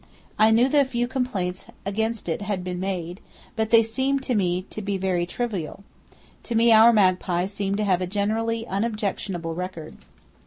I knew that a few complaints against it had been made, but they had seemed to me very trivial. To me our magpie seemed to have a generally unobjectionable record.